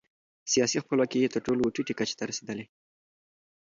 سیاسي خپلواکي یې تر ټولو ټیټې کچې ته رسېدلې.